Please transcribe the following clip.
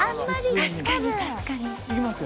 確かに確かに！いきますよ？